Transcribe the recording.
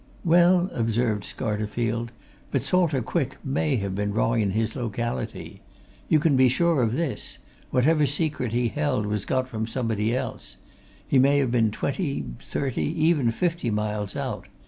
"Well," observed Scarterfield, "but Salter Quick may have been wrong in his locality. You can be sure of this whatever secret he held was got from somebody else. He may have been twenty, thirty, even fifty miles out.